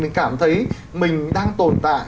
mình cảm thấy mình đang tồn tại